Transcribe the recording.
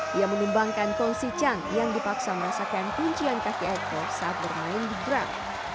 dia menimbangkan tong si chang yang dipaksa merasakan kuncian kaki eko saat bermain di grub